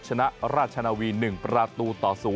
ชนะราชนาวี๑ประตูต่อ๐